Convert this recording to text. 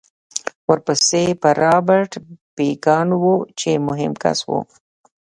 ورپسې به رابرټ بېکان و چې مهم کس و